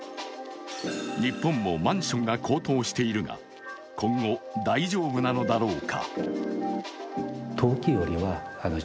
日本もマンションが高騰しているが、今後、大丈夫なのだろうか。